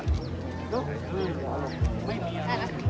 พี่พ่อกลับไปชะเทศนะพี่พ่อกลับไปชะเทศนะ